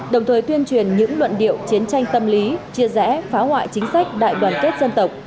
đồng thời tuyên truyền những luận điệu chiến tranh tâm lý chia rẽ phá hoại chính sách đại đoàn kết dân tộc